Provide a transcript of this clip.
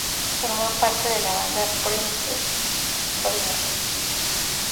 Formó parte de la banda Princess Princess.